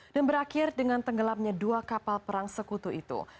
dan berakhir dengan tenggelamnya dua kapal perang sekutu itu